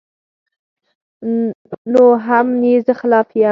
نو هم ئې زۀ خلاف يم